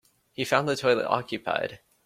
He found the toilet occupied.